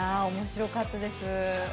面白かったです。